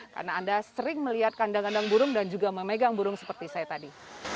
karena anda sering melihat kandang kandang burung dan juga memegang burung seperti saya tadi